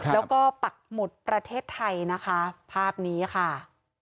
แล้วก็ปักหมุดประเทศไทยนะคะภาพนี้ค่ะ